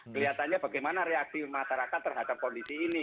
kelihatannya bagaimana reaksi masyarakat terhadap kondisi ini